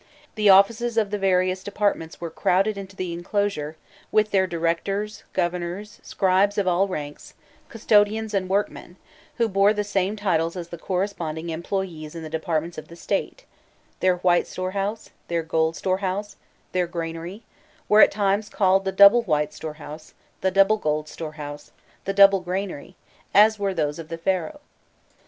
The offices of the various departments were crowded into the enclosure, with their directors, governors, scribes of all ranks, custodians, and workmen, who bore the same titles as the corresponding employés in the departments of the State: their White Storehouse, their Gold Storehouse, their Granary, were at times called the Double White Storehouse, the Double Gold Storehouse, the Double Granary, as were those of the Pharaoh.